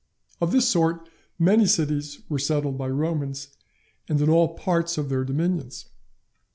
Of this sort many cities were settled by the Romans, and in all parts of their dominions.